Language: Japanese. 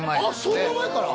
そんな前から？